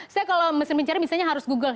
saya kalau mesin mencari misalnya harus google